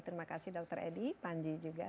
terima kasih dokter edi panji juga